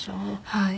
はい。